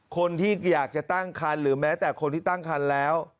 คนที่อยากจะตั้งคันหรือแม้แต่คนที่ตั้งคันแล้ว